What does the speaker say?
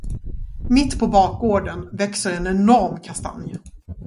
Mitt på bakgården växer en enorm kastanj.